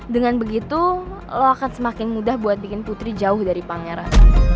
dengan begitu lo akan semakin mudah buat bikin putri jauh dari pangeran